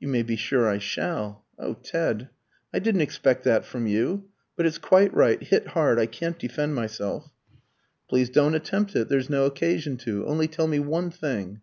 "You may be sure I shall. Oh, Ted, I didn't expect that from you! But it's quite right. Hit hard, I can't defend myself." "Please don't attempt it, there's no occasion to. Only tell me one thing."